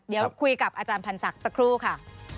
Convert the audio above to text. เดี๋ยวคุยกับอาจารย์พันธ์ศักดิ์สักครู่ค่ะ